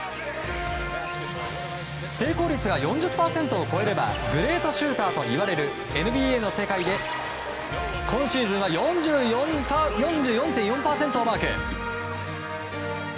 成功率が４０％を超えればグレートシューターといわれるＮＢＡの世界で、今シーズンは４４．４％をマーク。